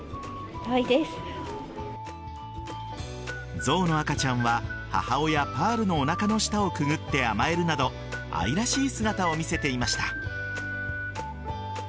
象の赤ちゃんは母親・パールのおなかの下をくぐって甘えるなど愛らしい姿を見せていました。